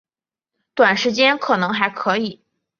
短时间可能还可以